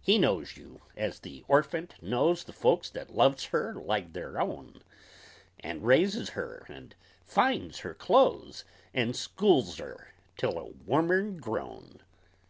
He knows you, as the orphant knows The folks that loves her like theyr own, And raises her and "finds" her clothes, And "schools" her tel a womern grown!